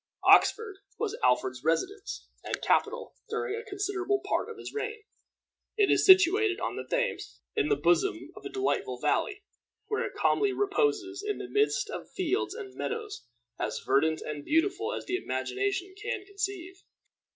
Oxford was Alfred's residence and capital during a considerable part of his reign. It is situated on the Thames, in the bosom of a delightful valley, where it calmly reposes in the midst of fields and meadows as verdant and beautiful as the imagination can conceive.